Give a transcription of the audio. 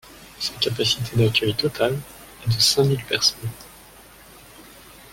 Sa capacité d'accueil totale est de cinq mille personnes.